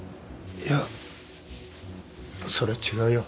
いやそれは違うよ